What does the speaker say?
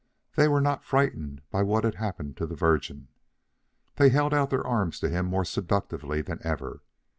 THEY were not frightened by what had happened to the Virgin. They held out their arms to him more seductively than ever.